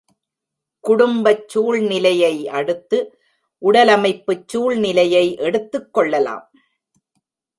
குடும்பச் சூழ்நிலையையடுத்து உடலமைப்புச் சூழ்நிலையை எடுத்துக் கொள்ளலாம்.